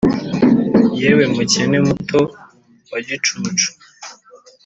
yewe mukene muto wa gicucu